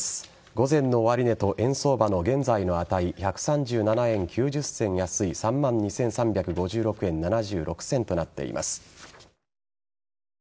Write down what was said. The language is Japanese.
午前の終値と円相場の現在の値１３７円９０銭安い３万２３５６円７６銭となっています。